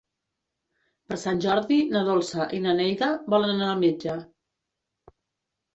Per Sant Jordi na Dolça i na Neida volen anar al metge.